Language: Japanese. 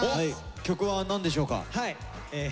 曲は何でしょうか？